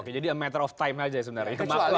oke jadi a matter of time aja sebenarnya